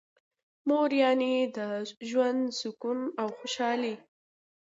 مور یعنی د ژوند سکون او خوشحالي.